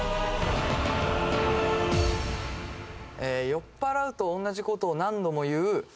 酔っ払うと同じ事を何度も言う